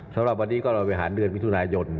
สำหรับวันนี้ก็เราไปหารเดือนมิถุนายน